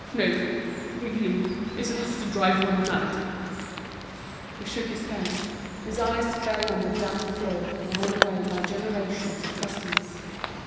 No! really, it's enough to drive one mad!" He shook his head, his eyes fell on the damp floor worn away by generations of customers.